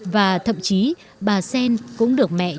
và thậm chí bà xen cũng được mẹ đánh